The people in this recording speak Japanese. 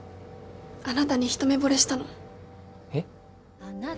あなたに一目ぼれしたのえっ？